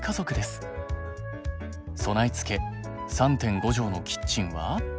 備え付け３．５畳のキッチンは。